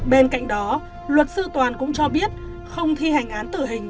bên cạnh đó luật sư toàn cũng cho biết không thi hành án tử hình